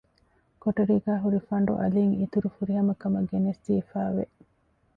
ކޮޓަރީގައި ހުރި ފަނޑު އަލިން އިތުރު ފުރިހަމަކަމެއް ގެނެސްދީފައި ވެ